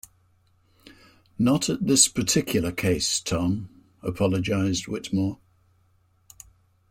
Not at this particular case, Tom, apologized Whittemore.